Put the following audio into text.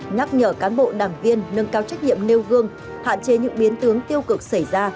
nhắc nhở cán bộ đảng viên nâng cao trách nhiệm nêu gương hạn chế những biến tướng tiêu cực xảy ra